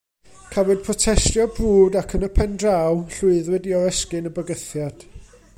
Cafwyd protestio brwd ac yn y pen draw, llwyddwyd i oresgyn y bygythiad.